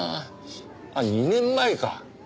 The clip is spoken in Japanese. あっ２年前か。